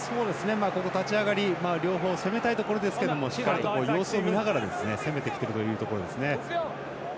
ここ、立ち上がり両方、攻めたいところですがしっかりと様子を見ながら攻めてくるということですね。